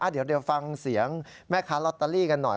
เดี๋ยวฟังเสียงแม่ค้าลอตเตอรี่กันหน่อย